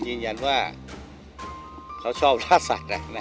ยืนยันว่าเขาชอบล่าสัตว์